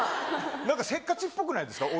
なんかせっかちっぽくないですか。